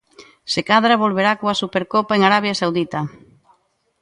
Se cadra, volverá coa Supercopa en Arabia Saudita.